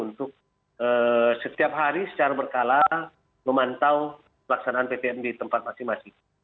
untuk setiap hari secara berkala memantau pelaksanaan ptm di tempat masing masing